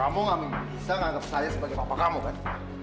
kamu gak bisa nganggep saya sebagai bapak kamu kan